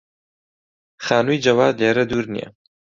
خانووی جەواد لێرە دوور نییە.